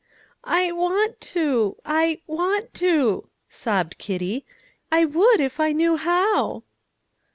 "I want to I want to!" sobbed Kitty; "I would if I knew how."